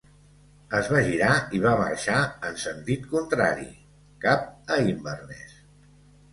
Es va girar i va marxar en sentit contrari, cap a Inverness.